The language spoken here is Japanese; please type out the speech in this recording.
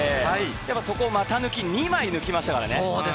そこを股抜き、２枚抜きましたからね。